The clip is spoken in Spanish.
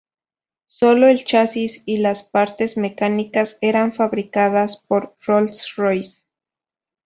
Solo el chasis y las parte mecánicas eran fabricadas por Rolls-Royce.